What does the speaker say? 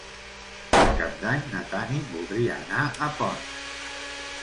Per Cap d'Any na Tanit voldria anar a Ponts.